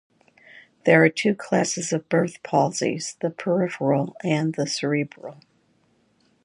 There are two classes of birth palsies, the peripheral and the cerebral.